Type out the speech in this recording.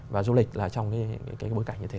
và du lịch là trong cái bối cảnh như thế